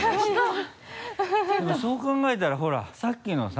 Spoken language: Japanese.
そう考えたらほらさっきのさ